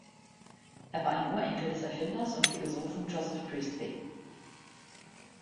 Er war ein Urenkel des Erfinders und Philosophen Joseph Priestley.